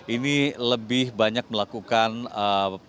ini lebih banyak melakukan ee